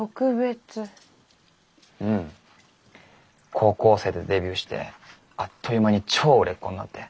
高校生でデビューしてあっという間に超売れっ子になって。